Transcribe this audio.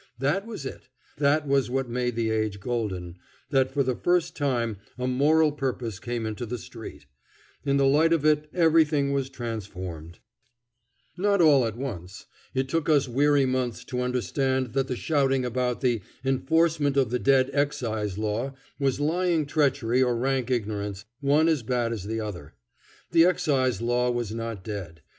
That was it; that was what made the age golden, that for the first time a moral purpose came into the street. In the light of it everything was transformed. [Illustration: President Theodore Roosevelt of the Police Board.] Not all at once. It took us weary months to understand that the shouting about the "enforcement of the dead Excise Law" was lying treachery or rank ignorance, one as bad as the other. The Excise Law was not dead.